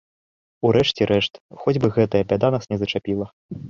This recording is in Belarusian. У рэшце рэшт, хоць бы гэтая бяда нас не зачапіла.